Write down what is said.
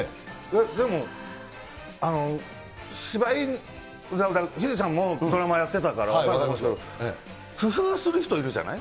でも芝居、ヒデちゃんもドラマやってたから分かると思うんですけど、工夫する人いるじゃない？